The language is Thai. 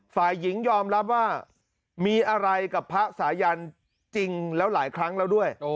ฝ่ายหญิงยอมรับว่ามีอะไรกับพระสายันจริงแล้วหลายครั้งแล้วด้วย